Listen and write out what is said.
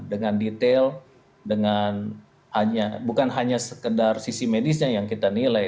dengan detail dengan hanya bukan hanya sekedar sisi medisnya yang kita nilai